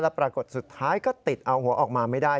ปรากฏสุดท้ายก็ติดเอาหัวออกมาไม่ได้